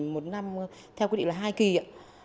một năm theo quy định là hai kỳ ạ